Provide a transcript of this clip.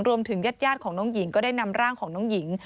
รวมถึงญาติของน้องหญิงก็ได้นำร่างของน้องหญิง